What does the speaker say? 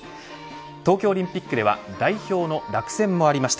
東京オリンピックでは代表の落選もありました。